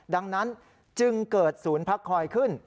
ดังนั้นจึงเกิดศูนย์พักคอยขึ้น